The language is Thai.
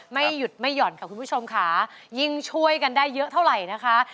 ไม่หยุดไม่หย่อนค่ะคุณผู้ชมค่ะยิ่งช่วยกันได้เยอะเท่าไหร่นะคะ